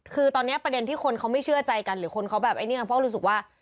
คือตอนนี้ประเด็นที่คนเขาไม่เชื่อใจกันหรือคนเขาแบบไอ้เนี่ยเพราะรู้สึกว่า